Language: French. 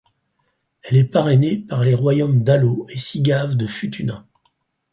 Elle est parrainée par les royaumes d'Alo et Sigave de Futuna.